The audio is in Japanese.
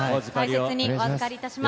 大切にお預かりします。